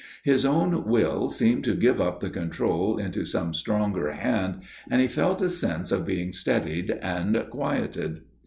His own will seemed to give up the control into some stronger hand, and he felt a sense of being steadied and quieted.